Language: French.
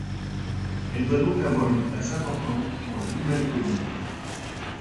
Elle doit donc avoir une place importante pour la nouvelle communauté.